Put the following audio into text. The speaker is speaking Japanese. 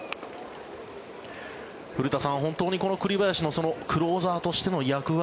古田さん、本当にこの栗林のクローザーとしての役割